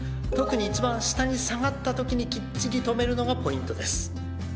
特に一番下に下がったときにきっちり止めるのがポイントです。